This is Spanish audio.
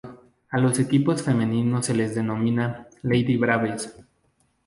A los equipos femeninos se les denomina "Lady Braves".